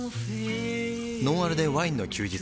「ノンアルでワインの休日」